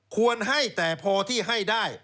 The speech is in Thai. ควรให้แต่พอที่ให้ได้